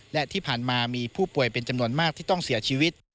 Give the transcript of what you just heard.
และที่ผ่านมามีผู้ป่วยเป็นจำนวนมากที่ต้องเสียชีวิต